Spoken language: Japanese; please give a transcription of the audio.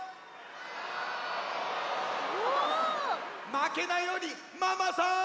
まけないようにママさん！